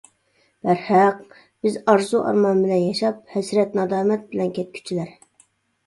بەرھەق بىز ئارزۇ-ئارمان بىلەن ياشاپ ھەسرەت نادامەت بىلەن كەتكۈچىلەر.